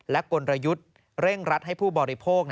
และกลยุทธ์เร่งรัดให้ผู้บริโภค